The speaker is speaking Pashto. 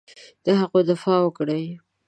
د هغوی دفاع وکړي.